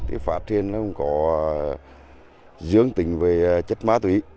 thì phát hiện nó cũng có dưỡng tình về chất má tuỷ